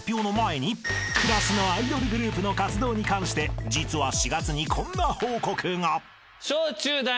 ［クラスのアイドルグループの活動に関して実は４月にこんな報告が］